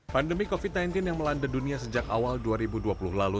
pandemi covid sembilan belas yang melanda dunia sejak awal dua ribu dua puluh lalu